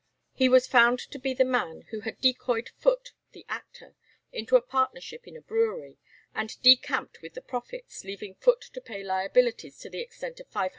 He was found to be the man who had decoyed Foote the actor into a partnership in a brewery, and decamped with the profits, leaving Foote to pay liabilities to the extent of £500.